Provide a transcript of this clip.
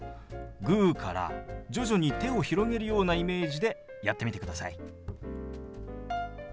グーから徐々に手を広げるようなイメージでやってみてください。